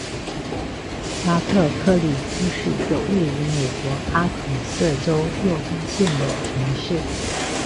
拉特克利夫是一个位于美国阿肯色州洛根县的城市。